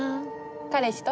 彼氏と？